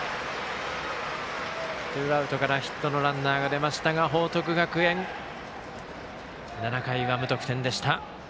ツーアウトからヒットのランナーが出ましたが報徳学園、７回は無得点でした。